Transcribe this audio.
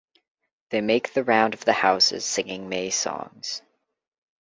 They make the round of the houses singing May songs.